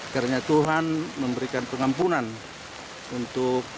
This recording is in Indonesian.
karena tuhan memberikan pengampunan untuk